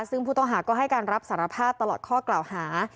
ซึ่งผู้ต้องหาก็ให้การรับสารภาพตลอดข้อกล่าวหา